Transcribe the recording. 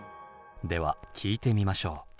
では聴いてみましょう。